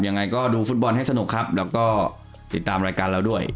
ยังไงก็ดูฟุตบอลให้สนุกครับแล้วก็ติดตามรายการเราด้วย